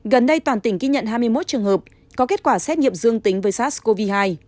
gần đây toàn tỉnh ghi nhận hai mươi một trường hợp có kết quả xét nghiệm dương tính với sars cov hai